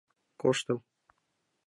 Коштым.